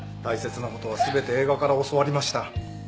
大切なことは全て映画から教わりました。